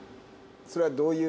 それはどういう？